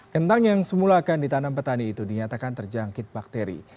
kentang yang semulakan di tanam petani itu dinyatakan terjangkit bakteri